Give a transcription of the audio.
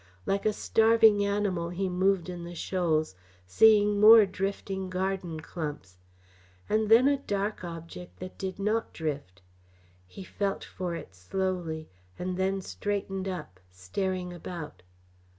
Like a starving animal he moved in the shoals, seeing more drifting garden clumps. And then a dark object that did not drift. He felt for it slowly, and then straightened up, staring about.